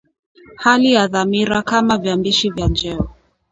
hali na dhamira kama viambishi vya njeo